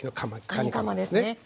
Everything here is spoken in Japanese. かにかまですね。